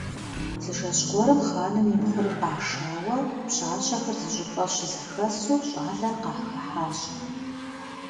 Зы жэщ гуэрым хъаным ипхъури къашауэ пщащэхэр зыщӀыпӀэ щызэхэсу щӀалэр къахыхьащ.